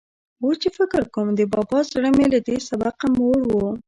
اوس چې فکر کوم، د بابا زړه مې له دې سبقه موړ و.